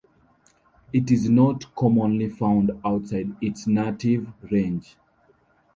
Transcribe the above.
It is not commonly found outside its native range.